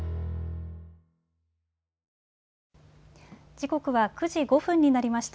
時刻は９時５分になりました。